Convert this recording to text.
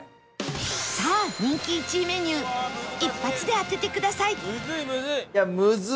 さあ人気１位メニュー一発で当ててください